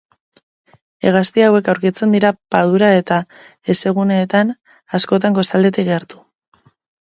Hegazti hauek aurkitzen dira padura eta hezeguneetan, askotan kostaldetik gertu.